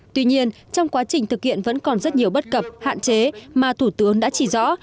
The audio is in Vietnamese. tuy nhiên trong quá trình thực hiện vẫn còn rất nhiều bất cập hạn chế mà thủ tướng đã chỉ rõ